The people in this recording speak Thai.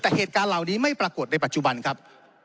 แต่เหตุการณ์เหล่านี้ไม่ปรากฏในปัจจุบันครับ